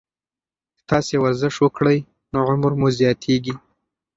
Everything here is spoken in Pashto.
که تاسي ورزش وکړئ، نو عمر مو زیاتیږي.